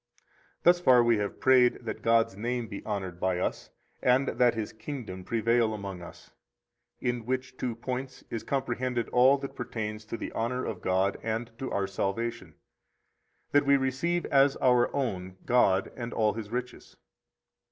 60 Thus far we have prayed that God's name be honored by us, and that His kingdom prevail among us; in which two points is comprehended all that pertains to the honor of God and to our salvation, that we receive as our own God and all His riches.